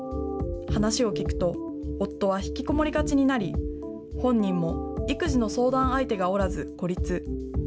話を聞くと、夫はひきこもりがちになり、本人も育児の相談相手がおらず、孤立。